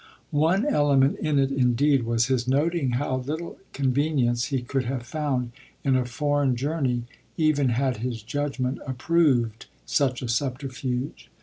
One element in it indeed was his noting how little convenience he could have found in a foreign journey even had his judgement approved such a subterfuge.